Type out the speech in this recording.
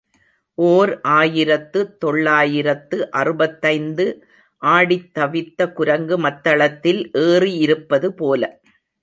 ஓர் ஆயிரத்து தொள்ளாயிரத்து அறுபத்தைந்து ஆடித் தவித்த குரங்கு மத்தளத்தில் ஏறி இருப்பது போல.